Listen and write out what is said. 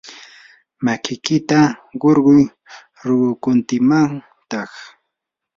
makikita qurquy ruqukuntimantaq.